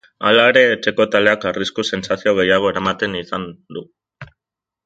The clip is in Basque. Hala ere, etxeko taldeak arrisku-sentsazio gehiago eramaten izan du.